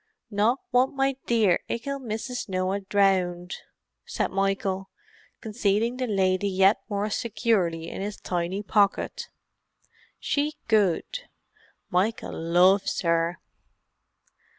"Not want my dear 'ickle Mrs. Noah dwowned," said Michael, concealing the lady yet more securely in his tiny pocket. "She good. Michael loves her."